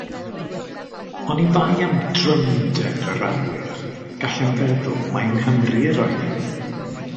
Oni bai am drymder yr awyr, gallem feddwl mai yng Nghymru yr oeddem.